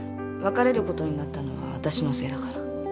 別れることになったのは私のせいだから。